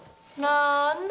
なーんだ。